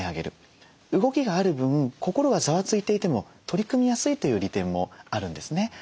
動きがある分心がざわついていても取り組みやすいという利点もあるんですね。